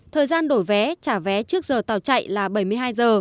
thời gian đổi vé trả vé trước giờ tàu chạy là bảy mươi hai giờ